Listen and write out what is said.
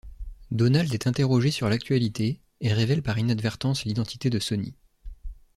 Donald est interrogé sur l'actualité, et révèle par inadvertance l'identité de Sonny.